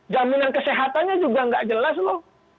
jaminan kesehatannya juga nggak jelas loh